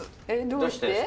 えどうして？